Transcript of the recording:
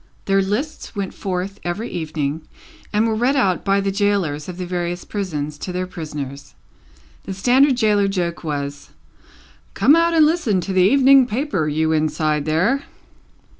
Their lists went forth every evening, and were read out by the gaolers of the various prisons to their prisoners. The standard gaoler joke was, "Come out and listen to the Evening Paper, you inside there!"